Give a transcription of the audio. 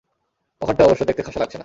ওখানটা অবশ্য দেখতে খাসা লাগছে না।